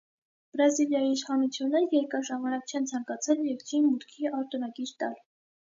Բրազիլիայի իշխանությունները երկար ժամանակ չեն ցանկացել երգչին մուտքի արտոնագիր տալ։